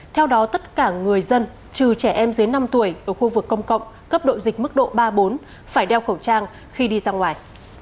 theo đó tất cả người dân trừ trẻ em dưới năm tuổi ở khu vực công cộng cấp độ dịch mức độ ba bốn phải đeo khẩu trang khi đi ra ngoài